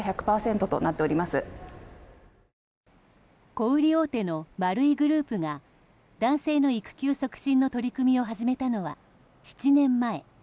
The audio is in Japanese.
小売り大手の丸井グループが男性の育休促進の取り組みを始めたのは７年前。